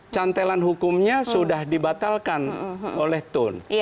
cantelan hukumnya sudah dibatalkan oleh tun